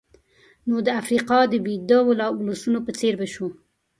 نو د افریقا د ویدو ولسونو په څېر به شو.